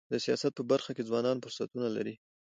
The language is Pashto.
د سیاست په برخه کي ځوانان فرصتونه لري.